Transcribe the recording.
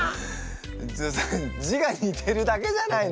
それ字が似てるだけじゃないの？